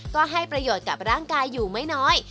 ก็ให้ประโยชน์กับร่างกายอยู่ไม่น้อย